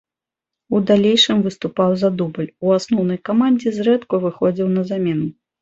У далейшым выступаў за дубль, у асноўнай камандзе зрэдку выхадзіў на замену.